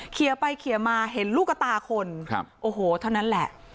เคลียร์ไปเคลียร์มาเห็นลูกตาคนครับโอ้โหเท่านั้นแหละ